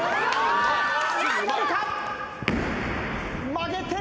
曲げて。